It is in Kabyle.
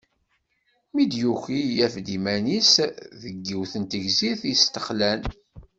Mi d-yuki, yaf-d iman-is deg yiwet n tegzirt yestexlan.